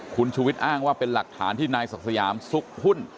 คุณชูวิทย์อ้างว่าเป็นหลักฐานที่นายศักดิ์สยามซุกหุ้น